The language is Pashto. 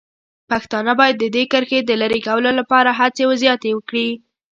پښتانه باید د دې کرښې د لرې کولو لپاره هڅې زیاتې کړي.